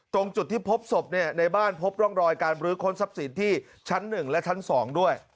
ตรงจุดที่พบศพในบ้านพบร่องรอยการบรื้อค้นทรัพย์สินที่ชั้น๑และชั้น๒ด้วย